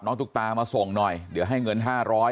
น้าสาวของน้าผู้ต้องหาเป็นยังไงไปดูนะครับ